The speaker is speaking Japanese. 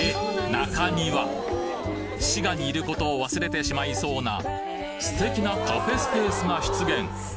中庭滋賀にいることを忘れてしまいそうな素敵なカフェスペースが出現